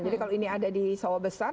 jadi kalau ini ada di sawah besar